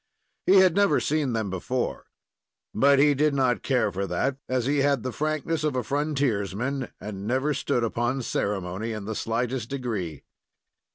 He had never seen them before; but he did not care for that, as he had the frankness of a frontiersman and never stood upon ceremony in the slightest degree.